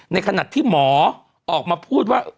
ในขณะที่หมอออกมาพูดว่า